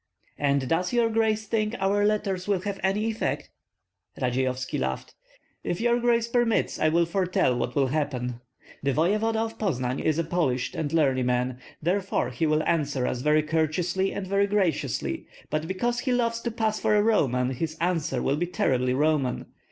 "And does your grace think our letters will have any effect?" Radzeyovski laughed. "If your grace permits, I will foretell what will happen. The voevoda of Poznan is a polished and learned man, therefore he will answer us very courteously and very graciously; but because he loves to pass for a Roman, his answer will be terribly Roman.